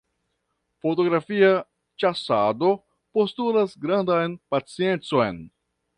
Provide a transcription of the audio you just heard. Fotografia ĉasado postulas grandan paciencon.